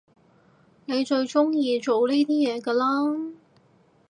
你最中意做呢啲嘢㗎啦？